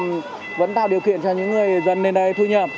nhưng vẫn tạo điều kiện cho những người dân đến đây thu nhập